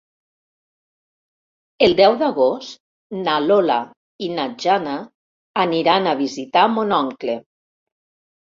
El deu d'agost na Lola i na Jana aniran a visitar mon oncle.